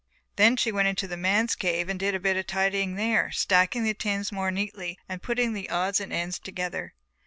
Then she went into the men's cave and did a bit of tidying there, stacking the tins more neatly and putting the odds and ends together.